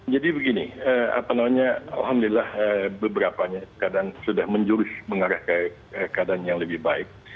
jadi begini alhamdulillah beberapanya keadaan sudah menjurus mengarah ke keadaan yang lebih baik